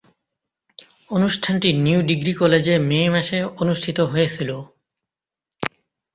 অনুষ্ঠানটি new degree কলেজে May মাসে অনুষ্ঠিত হয়েছিলো।